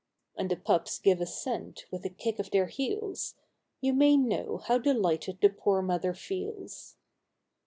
And the Pups give assent with a kick of their heels; You may know T how delighted the poor Mother feels.